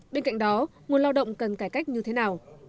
bên cạnh đó nguồn lao động cần cải cách như thế nào